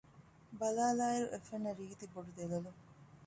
ބަލާލާއިރު އެފެންނަ ރީތި ބޮޑު ދެލޮލު